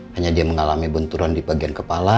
hanya dia mengalami benturan di bagian kepala